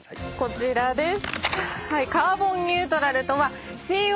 こちらです。